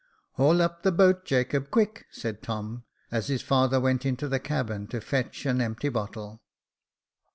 " Haul up the boat, Jacob, quick," said Tom, as his father went into the cabin to fetch an empty bottle.